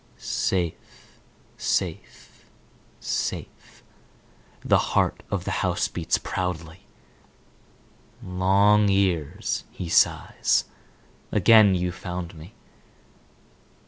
"Safe, safe, safe," the heart of the house beats proudly. "Long years—" he sighs. "Again you found me."